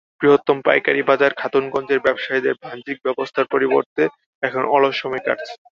বৃহত্তম পাইকারি বাজার খাতুনগঞ্জের ব্যবসায়ীদের বাণিজ্যিক ব্যস্ততার পরিবর্তে এখন অলস সময় কাটছে।